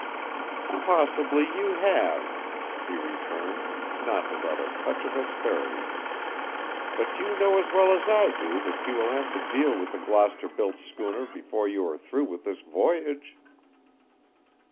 "Possibly you have," she returned, not without a touch of asperity; "but you know as well as I do that you will have to deal with a Gloucester built schooner before you are through with this voyage."